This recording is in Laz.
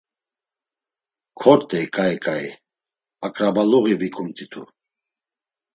Kort̆ey ǩayi ǩayi akrabaluği vikumt̆itu.